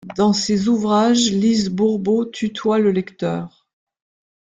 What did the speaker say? Dans ses ouvrages, Lise Bourbeau tutoie le lecteur.